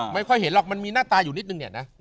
ไม่ค่อยเห็นหรอกมันมีหน้าตาอยู่นิดนึงเนี่ยนะ